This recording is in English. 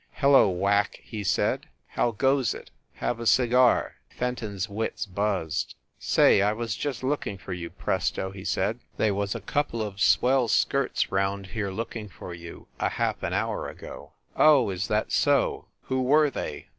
"Hello, Whack," he said. "How goes it? Have a cigar !" Fenton s wits buzzed. "Say, I was just looking for you, Presto," he said. "They was a couple of swell skirts round here looking for you a half an hour ago." "Oh, is that so? Who were they?"